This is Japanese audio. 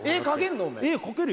絵描けるよ。